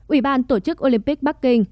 ủy ban tổ chức olympic bắc kinh